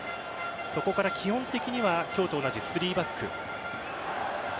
そこから基本的には今日と同じ３バック。